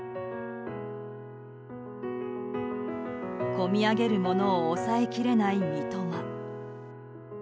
こみ上げるものを抑えきれない三笘。